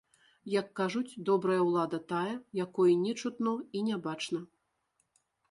Як кажуць, добрая ўлада тая, якой не чутно і не бачна.